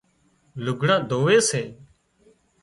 لگھڙان ڌووي سي